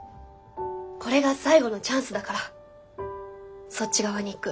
これが最後のチャンスだからそっち側にいく。